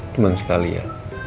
cuman sekali ya